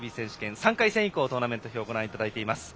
３回戦以降のトーナメント表をご覧いただいています。